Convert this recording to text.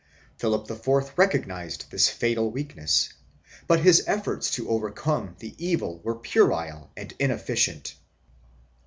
Philip IV recognized this fatal weak ness, but his efforts to overcome the evil were puerile and inefficient.